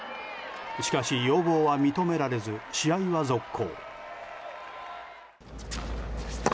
しかし、要望は認められず試合は続行。